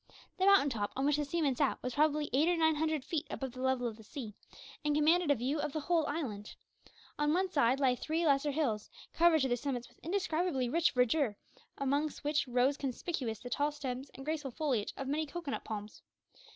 The mountain top on which the seaman sat was probably eight or nine hundred feet above the level of the sea, and commanded a view of the whole island. On one side lay three lesser hills, covered to their summits with indescribably rich verdure, amongst which rose conspicuous the tall stems and graceful foliage of many cocoanut palms.